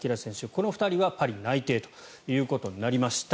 この２人はパリに内定ということになりました。